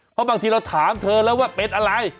เพราะบางทีเราถามเธอแล้วว่าเป็นอะไร